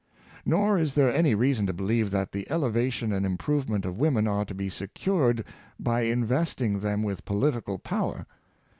Nor is there any reason to believe that the elevation and improvement of women are to be secured by in vesting them with political power.